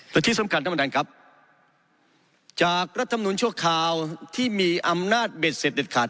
และที่สำคัญท่านประธานครับจากรัฐมนุนชั่วคราวที่มีอำนาจเบ็ดเสร็จเด็ดขาด